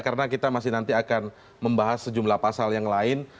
karena kita masih nanti akan membahas sejumlah pasal yang lain